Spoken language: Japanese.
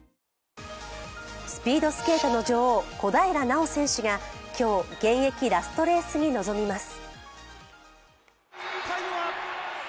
スピードスケートの女王小平奈緒選手が今日現役ラストレースに臨みます。